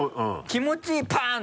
気持ちいいパン！